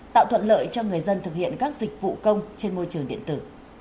tạo thuận lợi cho người dân thực hiện các dịch vụ công trên môi trường điện tử